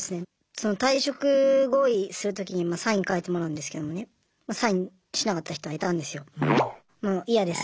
その退職合意する時にサイン書いてもらうんですけどねサインしなかった人はいたんですよ。